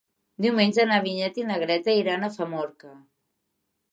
Diumenge na Vinyet i na Greta iran a Famorca.